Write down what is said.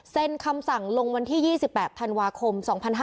คำสั่งลงวันที่๒๘ธันวาคม๒๕๕๙